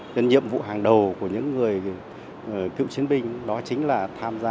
nhân nhiệm vụ hàng đầu của những người cựu chiến binh đó chính là